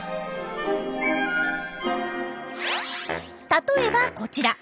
例えばこちら。